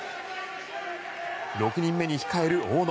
６人目に控える大野。